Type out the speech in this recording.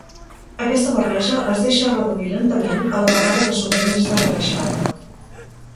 Aquesta barreja es deixa reduir lentament a la vegada que sovint és desgreixada.